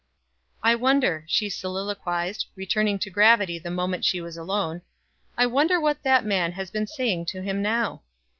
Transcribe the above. "I wonder," she soliloquized, returning to gravity the moment she was alone, "I wonder what that man has been saying to him now?